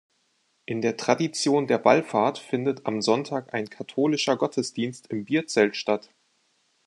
In der Tradition der Wallfahrt findet am Sonntag ein katholischer Gottesdienst im Bierzelt statt.